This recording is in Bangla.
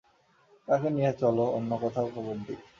তাকে নিয়ে চলো, অন্য কোথাও কবর দিই।